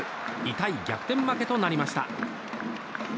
痛い逆転負けとなりました。